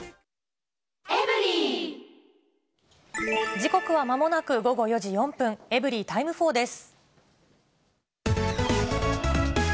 時刻はまもなく午後４時４分、エブリィタイム４です。